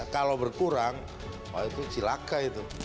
kalau berkurang oh itu cilaka itu